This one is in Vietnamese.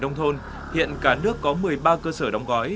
nông thôn hiện cả nước có một mươi ba cơ sở đóng gói